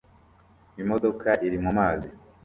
Imodoka iri mumazi